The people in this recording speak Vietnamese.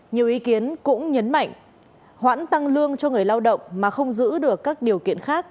nhiều ý kiến cũng nhấn mạnh hoãn tăng lương cho người lao động mà không giữ được các điều kiện khác